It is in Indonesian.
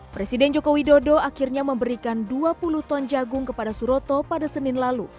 presiden joko widodo akhirnya memberikan dua puluh ton jagung kepada suroto pada senin lalu